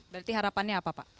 berarti harapannya apa pak